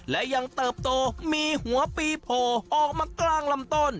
และยังเติบโตมีหัวปีโผล่ออกมากลางลำต้น